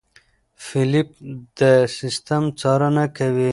فېلېپ د سیستم څارنه کوي.